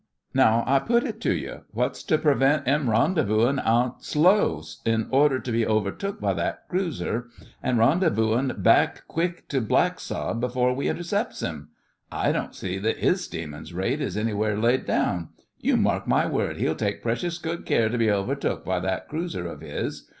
'Now I put it to you. What's to prevent 'im rendezvousin' out slow in order to be overtook by that cruiser; an' rendezvousin' back quick to Black sod, before we intercepts 'im? I don't see that 'is steamin' rate is anywhere laid down. You mark my word, 'e'll take precious good care to be overtook by that cruiser of 'is.